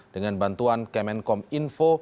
dengan bantuan kemenkom info